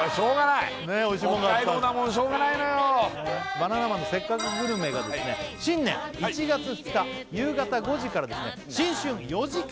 「バナナマンのせっかくグルメ！！」が新年１月２日夕方５時から新春４時間